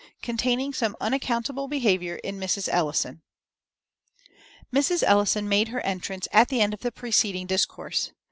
Containing some unaccountable behaviour in Mrs. Ellison. Mrs. Ellison made her entrance at the end of the preceding discourse.